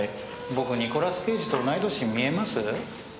僕ニコラス・ケイジと同い歳に見えます？